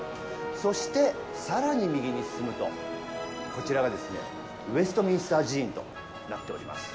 そして、さらに右に進むと、こちらがウェストミンスター寺院となっております。